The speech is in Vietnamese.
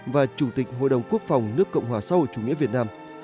và chủ tịch hội đồng quốc phòng nước cộng hòa xã hội chủ nghĩa việt nam